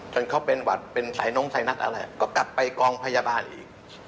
จนเขาเป็นหวัดเป็นสายน้องสายนัดอะไรก็กลับไปกองพยาบาลอีก